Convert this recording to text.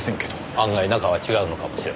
案外中は違うのかもしれませんよ。